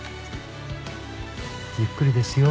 ゆっくりですよ。